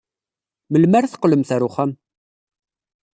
Melmi ara teqqlemt ɣer uxxam?